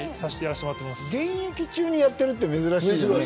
現役中にやってるって珍しい。